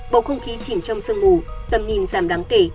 bộ không khí chìm trong sơn mù tầm nhìn giảm đáng kể